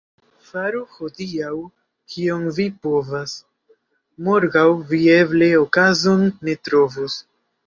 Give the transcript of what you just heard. Faru hodiaŭ, kion vi povas, — morgaŭ vi eble okazon ne trovos.